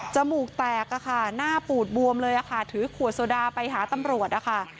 มูกแตกอะค่ะหน้าปูดบวมเลยค่ะถือขวดโซดาไปหาตำรวจนะคะ